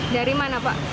dari mana pak